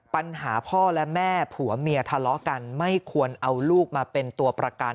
ปัญหาพ่อและแม่ผัวเมียทะเลาะกันไม่ควรเอาลูกมาเป็นตัวประกัน